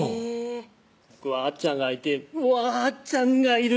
僕はあっちゃんがいてわぁあっちゃんがいる！